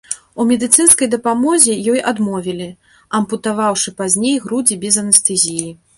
У медыцынскай дапамозе ёй адмовілі, ампутаваўшы пазней грудзі без анестэзіі.